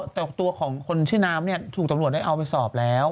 แต่ตัวของคนชื่อน้ำเนี่ยถูกตำรวจได้เอาไปสอบแล้ว